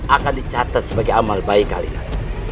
akan dicatat sebagai amal baik kalian